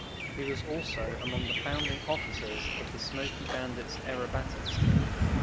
He was also among the founding officers of the "Smokey Bandits" Aerobatics Team.